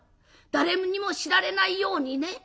誰にも知られないようにね」。